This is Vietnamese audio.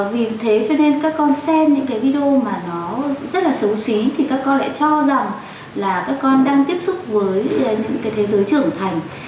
vì thế cho nên các con xem những cái video mà nó rất là xấu xí thì các con lại cho rằng là các con đang tiếp xúc với những cái thế giới trưởng thành